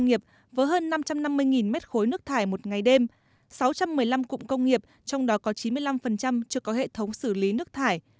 nhiều khu công nghiệp với hơn năm trăm năm mươi m ba nước thải một ngày đêm sáu trăm một mươi năm cụm công nghiệp trong đó có chín mươi năm chưa có hệ thống xử lý nước thải